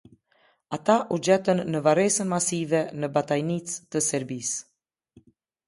Ata u gjetën në varrezën masive në Batajnicë të Serbisë.